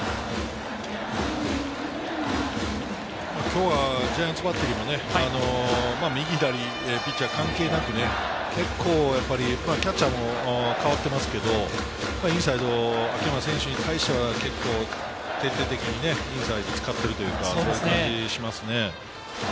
きょうはジャイアンツバッテリーも右、左のピッチャー関係なくね、結構キャッチャーも代わってますけれど、インサイド、秋山選手に対しては結構、徹底的にインサイドを使ってるというか、そんな感じがしますよね。